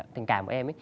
tình cảm của em ý